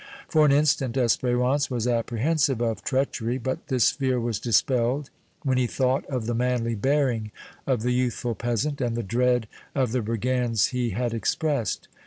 For an instant Espérance was apprehensive of treachery, but this fear was dispelled when he thought of the manly bearing of the youthful peasant and the dread of the brigands he had expressed.